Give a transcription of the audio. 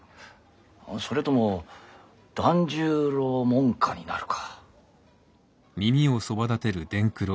それとも團十郎門下になるか。